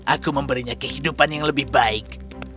aku memberinya kehidupan yang lebih baik